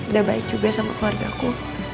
udah baik juga sama keluargaku